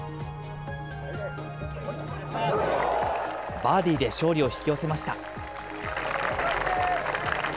バーディーで勝利を引き寄せました。